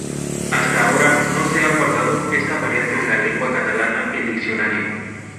Hasta ahora no se ha guardado esta variante de la lengua catalana en diccionario.